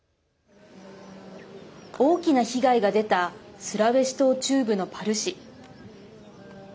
大きな被害が出たスラウェシ島中部のパル市。